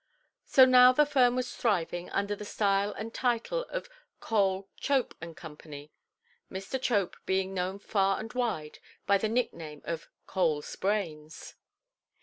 So now the firm was thriving under the style and title of "Cole, Chope, and Co"., Mr. Chope being known far and wide by the nickname of "Coleʼs brains".